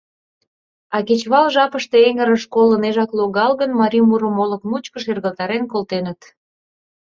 А кечывал жапыште эҥырыш кол ынежак логал гын, марий мурым олык мучко шергылтарен колтеныт.